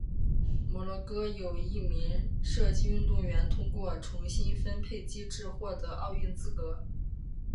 摩洛哥有一名射击运动员透过重新分配机制获得奥运资格。